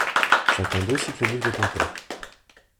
Chacun d’eux cite le livre de Comtet.